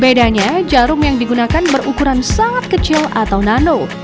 bedanya jarum yang digunakan berukuran sangat kecil atau nano